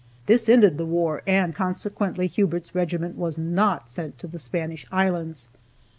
This ended the war, and consequently Hubert's regiment was not sent to the Spanish islands.